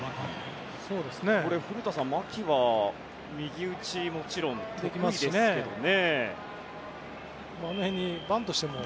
古田さん、牧は右打ちはもちろん得意ですよね。